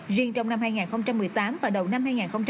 riêng trong năm hai nghìn một mươi tám và đầu năm hai nghìn một mươi chín